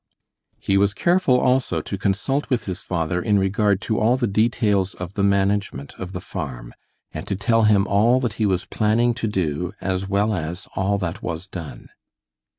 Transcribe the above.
He was careful also to consult with his father in regard to all the details of the management of the farm, and to tell him all that he was planning to do as well as all that was done.